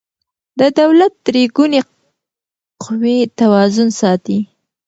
د دولت درې ګونې قوې توازن ساتي